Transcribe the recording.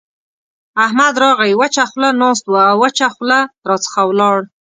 احمد راغی؛ وچه خوله ناست وو او وچه خوله راڅخه ولاړ.